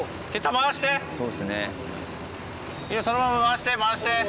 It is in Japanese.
いいよそのまま回して回して。